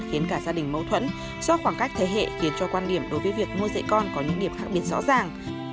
khiến cả gia đình mâu thuẫn do khoảng cách thế hệ khiến cho quan điểm đối với việc nuôi dạy con có những điểm khác biệt rõ ràng